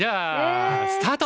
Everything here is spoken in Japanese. スタート！